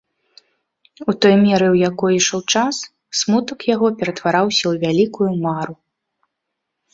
У той меры, у якой ішоў час, смутак яго ператвараўся ў вялікую мару.